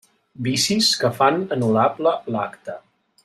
Vicis que fan anul·lable l'acte.